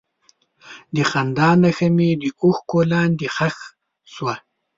د خندا نښه مې د اوښکو لاندې ښخ شوه.